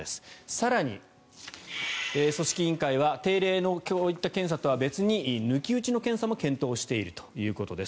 更に組織委員会は定例の検査とは別に抜き打ちの検査も検討しているということです。